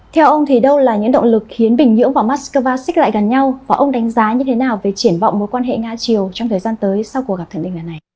theo ông thì đâu là những động lực khiến bình nhưỡng và moscow xích lại gần nhau và ông đánh giá như thế nào về triển vọng mối quan hệ nga triều trong thời gian tới sau cuộc gặp thần linh lần này